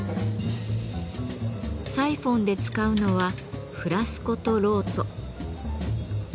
サイフォンで使うのはフラスコと漏斗。